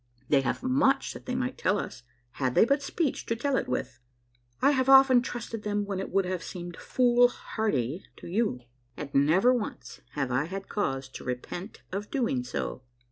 They have much that they might tell us had they but speech to tell it with. I have often trusted them when it would have seemed foolliardy to you, and never once have I had cause to repent of doing so.